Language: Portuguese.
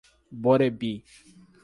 Borebi